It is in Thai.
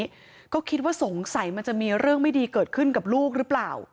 คิดว่าสงสัยมันจะมีเรื่องไม่ดีเกิดขึ้นกับลูกหรือเปล่า